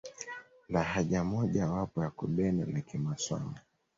lahaja moja wapo ya kibena ni kimaswamu